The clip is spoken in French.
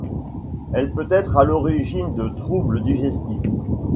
Elle peut être à l'origine de troubles digestifs.